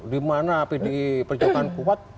di mana pdip perjuangan kuat